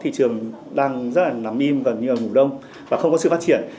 thì có thị trường đang rất là nằm im gần như ngủ đông và không có sự phát triển